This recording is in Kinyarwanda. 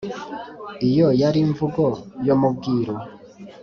(iyo yari imvugo yo mu bwiru).